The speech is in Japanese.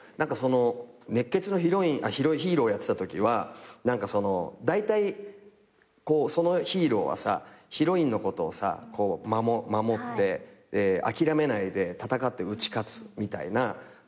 熱血のヒーローやってたときはだいたいそのヒーローはさヒロインのことを守って諦めないで戦って打ち勝つみたいな展開が多いじゃない。